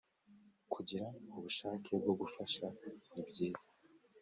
Kugira ubushake bwo gufasha ni byiza